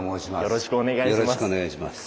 よろしくお願いします。